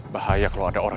bahaya kalau ada orang